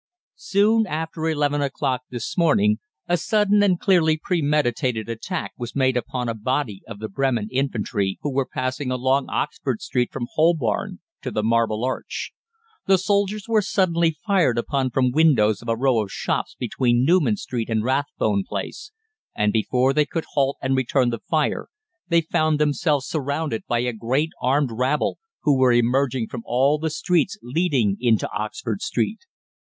"Soon after eleven o'clock this morning a sudden and clearly premeditated attack was made upon a body of the Bremen infantry, who were passing along Oxford Street from Holborn to the Marble Arch. The soldiers were suddenly fired upon from windows of a row of shops between Newman Street and Rathbone Place, and before they could halt and return the fire they found themselves surrounded by a great armed rabble, who were emerging from all the streets leading into Oxford Street.